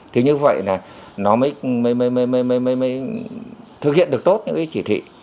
thì như vậy là nó mới thực hiện được tốt những cái chỉ thị